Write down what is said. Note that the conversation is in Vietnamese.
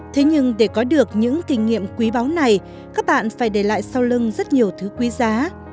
thế nhưng để có được những kinh nghiệm quý báu này các bạn phải để lại sau lưng rất nhiều thứ quý giá